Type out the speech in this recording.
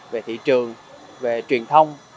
về thị trường về truyền thông